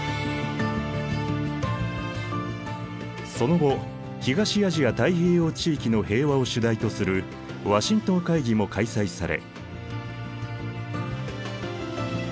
その後東アジア太平洋地域の平和を主題とするワシントン会議も開催され。